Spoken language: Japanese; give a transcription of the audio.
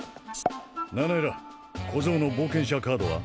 ナナエラ小僧の冒険者カードは？